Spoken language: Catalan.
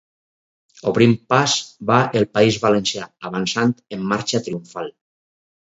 Obrint pas va el País Valencià, avançant en marxa triomfal!